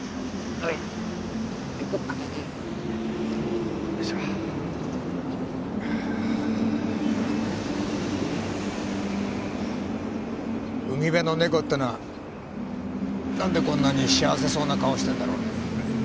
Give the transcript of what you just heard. おい海辺のネコってのは何でこんなに幸せそうな顔してんだろうね